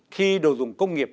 khi đồ dùng công nghiệp